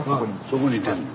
そこにいてんの？